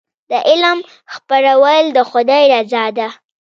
د علم خپرول د خدای رضا ده.